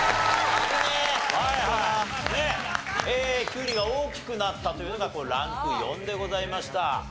きゅうりが大きくなったというのがランク４でございました。